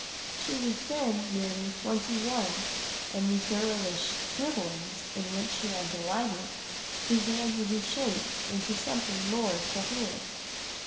She was then nearly twenty one, and the girlish scribblings in which she had delighted began to be shaped into something more coherent.